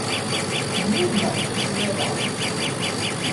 Nnumeɣ d usemmiḍ-a.